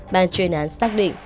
ban chuyên án xác định